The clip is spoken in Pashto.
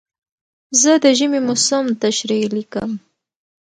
زه د ژمي موسم تشریح لیکم.